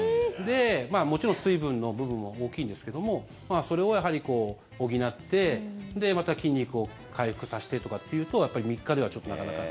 もちろん水分の部分も大きいんですけどもそれを補って、また筋肉を回復させてとかっていうとやっぱり３日ではちょっと、なかなか。